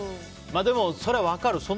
でも、それは分かる。